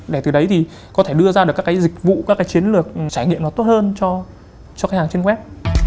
để từ đấy thì có thể đưa ra được các cái dịch vụ các cái chiến lược trải nghiệm nó tốt hơn cho khách hàng trên web